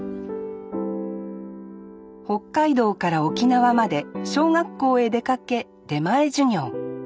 北海道から沖縄まで小学校へ出かけ出前授業。